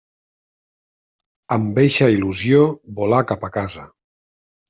Amb eixa il·lusió volà cap a casa.